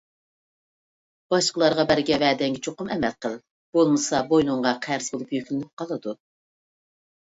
باشقىلارغا بەرگەن ۋەدەڭگە چوقۇم ئەمەل قىل. بولمىسا بوينۇڭغا قەرز بولۇپ يۈكلىنىپ قالىدۇ.